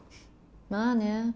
まあね。